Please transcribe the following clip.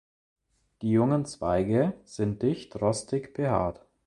Die jungen Zweige sind dicht rostig behaart.